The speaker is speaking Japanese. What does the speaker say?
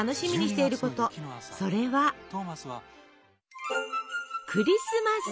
それはクリスマス！